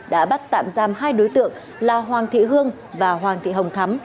đã bắt tạm giam hai đối tượng là hoàng thị hương và hoàng thị hồng thắm